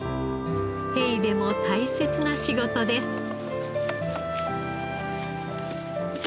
手入れも大切な仕事です。